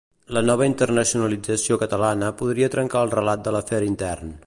La nova internacionalització catalana podria trencar el relat de l'afer intern.